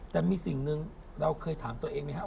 แต่มีสิ่งหนึ่งเราเคยถามตัวเองไหมครับ